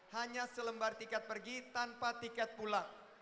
hanya selembar tiket pergi tanpa tiket pulang